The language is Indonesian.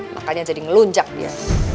makanya jadi ngelunjak dia